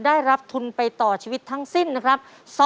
ได้รับทุนไปต่อชีวิตทั้งสิ้นนะครับ